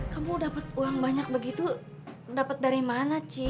kamu dapat uang banyak begitu dapat dari mana cik